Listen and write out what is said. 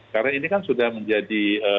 karena ini kan sudah menjadi